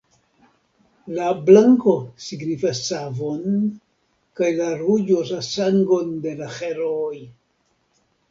La blanko signifas savon kaj la ruĝo la sangon de la herooj.